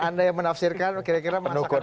anda yang menafsirkan kira kira masakan